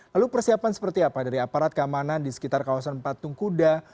lalu persiapan seperti apa dari aparat keamanan di sekitar kawasan patung kuda